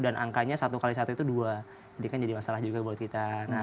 dan angkanya satu x satu itu dua jadi kan jadi masalah juga buat kita